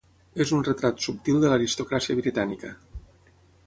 És un retrat subtil de l'aristocràcia britànica.